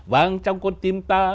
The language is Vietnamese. vang trong con tim ta